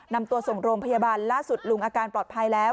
นำตัวส่งโรงพยาบาลล่าสุดลุงอาการปลอดภัยแล้ว